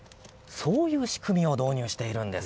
そういう仕組みを導入しているんです。